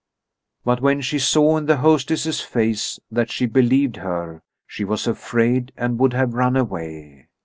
But when she saw in the hostess's face that she believed her, she was afraid and would have run away.